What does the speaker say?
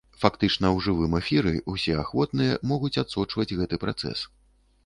Фактычна ў жывым эфіры ўсе ахвотныя могуць адсочваць гэты працэс.